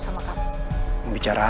sekarang triste dua sendiri